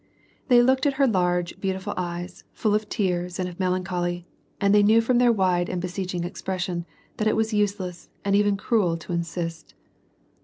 They looked at her large, li^au tiful eyes, full of tears, and of melancholy, and they knew from their wide and beseeching expression, that it was useless, and even cruel, to insist.